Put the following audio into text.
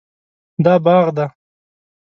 دا باغ دی